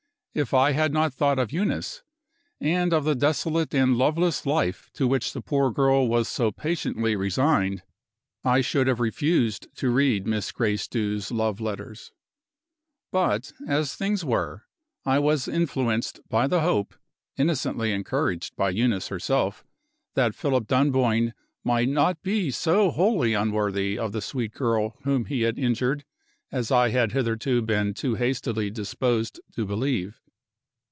If I had not thought of Eunice, and of the desolate and loveless life to which the poor girl was so patiently resigned, I should have refused to read Miss Gracedieu's love letters. But, as things were, I was influenced by the hope (innocently encouraged by Eunice herself) that Philip Dunboyne might not be so wholly unworthy of the sweet girl whom he had injured as I had hitherto been too hastily disposed to believe.